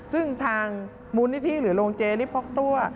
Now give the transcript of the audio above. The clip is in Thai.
ซึ่งทางมูลนิธิหรือโรงเจนี่พกตัว